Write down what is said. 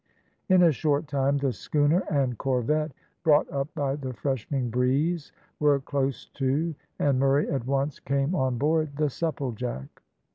In a short time the schooner and corvette, brought up by the freshening breeze, were close to, and Murray at once came on board the Supplejack.